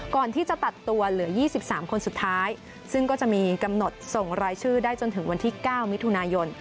ก่อนที่จะตัดตัวเหลือ๒๓คนสุดท้ายซึ่งก็จะมีกำหนดส่งรายชื่อได้จนถึงวันที่๙มิถุนายน